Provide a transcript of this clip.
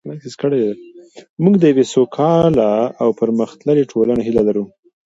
موږ د یوې سوکاله او پرمختللې ټولنې هیله لرو.